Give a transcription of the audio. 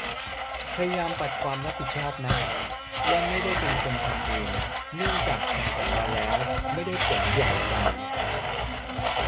พยายามปัดความรับผิดชอบน่ะ ว่าไม่ได้เป็นคนทำเอง เนื่องจากทำออกมาแล้วไม่ได้ผลอย่างใจ